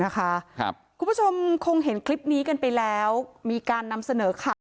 คุณผู้ชมคงเห็นคลิปนี้กันไปแล้วมีการนำเสนอข่าว